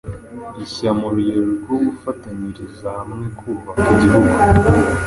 rishya mu rwego rwo gufatanyiriza hamwe kubaka igihugu,